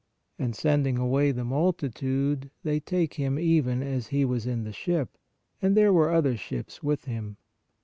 And sending away the multitude, they take Him even as He was in the ship; and there were other ships with Him.